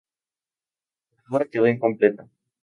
La obra quedó incompleta.